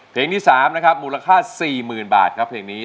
เพลงที่๓นะครับมูลค่า๔๐๐๐บาทครับเพลงนี้